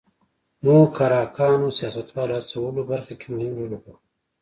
موکراکانو سیاستوالو هڅولو برخه کې مهم رول ولوباوه.